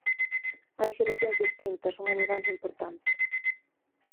Hai xeracións distintas, unha mudanza importante.